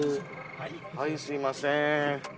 はいすいません。